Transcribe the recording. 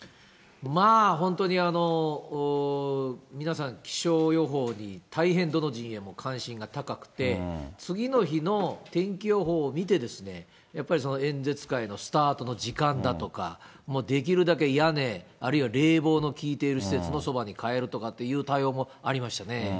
まあ本当に、皆さん、気象予報に大変、どの陣営も関心が高くて、次の日の天気予報を見て、やっぱり、演説会のスタートの時間だとか、できるだけ屋根、あるいは冷房の効いている施設のそばに変えるという対応もありま